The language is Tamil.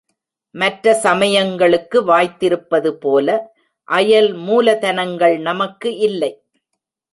மற்ற சமயங்களுக்கு வாய்த்திருப்பது போல, அயல் மூலதனங்கள் நமக்கு இல்லை.